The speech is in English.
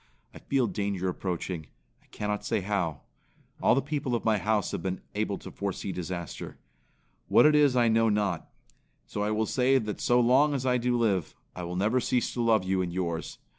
I feel danger approaching; I cannot say how. All the people of my house have been able to foresee disaster. What it is I know not. So I will say that so long as I do live, I will never cease to love you and yours.